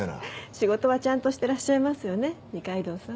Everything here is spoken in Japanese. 仕事はちゃんとしてらっしゃいますよね二階堂さん。